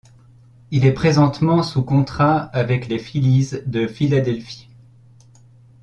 Il est présentement sous contrat avec les Phillies de Philadelphie.